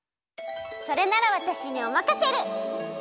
それならわたしにおまかシェル！